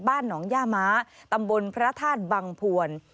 บ้านหนองย่าม้าตำบลพระธาตุบังพวน